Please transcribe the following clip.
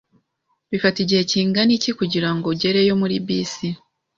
Bifata igihe kingana iki kugirango ugereyo muri bisi?